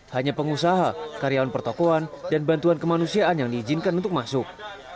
hanya pengusaha karyawan pertokohan dan bantuan kemanusiaan yang diizinkan untuk masuk